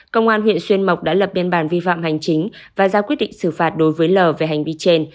công an huyện xuyên mộc đã lập biên bản vi phạm hành chính và ra quyết định xử phạt đối với l về hành vi trên